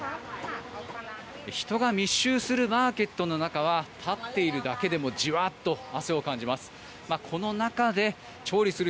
人が密集するマーケットの中は立っているだけでもじわーっと汗を感じます。